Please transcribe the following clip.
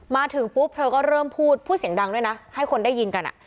มาถึงปุ๊บเธอก็เริ่มพูดพูดเสียงดังด้วยนะให้คนได้ยินกัน